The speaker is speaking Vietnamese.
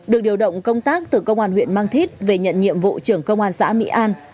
được điều động công tác từ công an huyện mang thít về nhận nhiệm vụ trưởng công an xã mỹ an